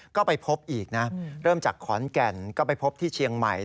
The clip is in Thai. ก็ไปพบอีกนะเริ่มจากขอนแก่นก็ไปพบที่เชียงใหม่